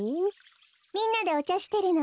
みんなでおちゃしてるの。